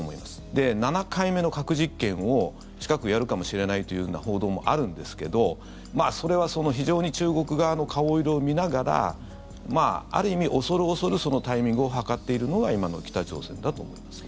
で、７回目の核実験を近く、やるかもしれないというような報道もあるんですがそれは非常に中国側の顔色を見ながらある意味、恐る恐るそのタイミングを計っているのが今の北朝鮮だと思います。